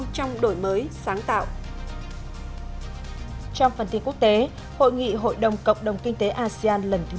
trong phần tin quốc tế hội nghị hội đồng cộng đồng kinh tế asean lần thứ một mươi tám